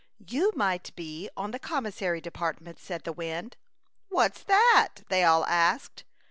'' You might be on the commis sary department," said the wind. "What's that?" they all asked.